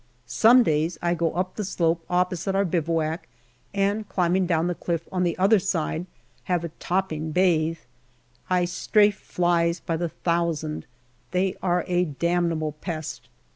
Some days I go up the slope opposite our bivouac, and, climbing down the cliff on the other side, have a topping bathe. I strafe flies by the thousand they are a damnable pest.